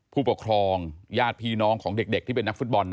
ผู้ปกครองญาติพี่น้องของเด็กที่เป็นนักฟุตบอล